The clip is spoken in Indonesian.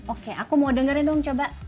oke aku mau dengerin dong coba